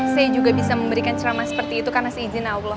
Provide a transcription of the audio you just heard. saya juga bisa memberikan ceramah seperti itu karena seizin allah